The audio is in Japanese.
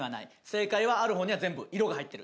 正解はある方には全部色が入ってる。